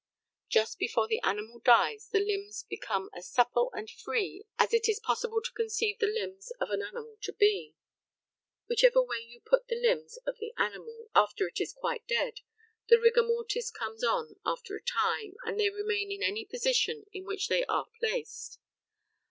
Just before the animal dies the limbs become as supple and free as it is possible to conceive the limbs of an animal to be. Whichever way you put the limbs of the animal after it is quite dead, the rigor mortis comes on after a time, and they remain in any position in which they are placed.